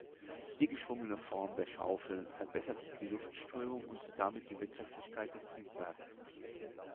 Die geschwungene Form der Schaufeln verbessert die Luftströmung und damit die Wirtschaftlichkeit des Triebwerks.